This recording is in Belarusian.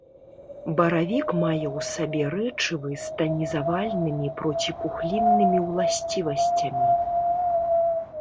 Баравік мае ў сабе рэчывы з танізавальнымі проціпухліннымі ўласцівасцямі.